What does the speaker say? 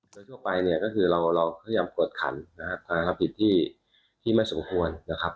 ช่วงไปเนี่ยก็คือเราเริ่มกดขันนะครับทำผิดที่ที่ไม่สมควรนะครับ